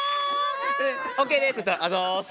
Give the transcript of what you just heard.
「ＯＫです」って言ったら「あざす」